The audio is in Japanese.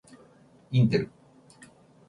インテル